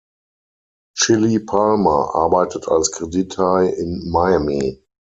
Chili Palmer arbeitet als Kredithai in Miami.